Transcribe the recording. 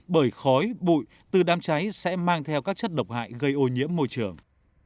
bởi khói bụi từ đám cháy sẽ mang theo các chất độc hại gây ô nhiễm môi trường